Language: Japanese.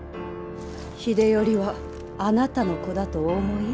秀頼はあなたの子だとお思い？